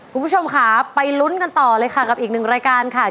คุณผู้ชมค่ะไปลุ้นกันต่อเลยค่ะกับอีกหนึ่งรายการค่ะ